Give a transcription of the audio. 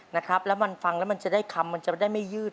นะครับแล้วอันฟังมันจะได้คำม้าจะไม่ยืด